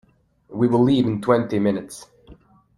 We will leave in twenty minutes.